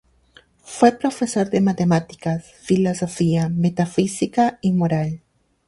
Fue profesor de Matemáticas, Filosofía, Metafísica y Moral.